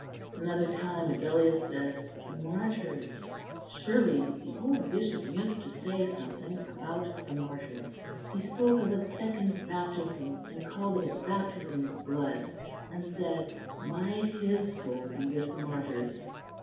Another time Agellius said: "The Martyrs; surely the old bishop used to say something about the Martyrs. He spoke of a second baptism, and called it a baptism of blood; and said, 'Might his soul be with the Martyrs!